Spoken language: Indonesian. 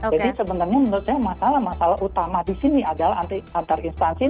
jadi sebenarnya menurut saya masalah utama di sini adalah antar instansi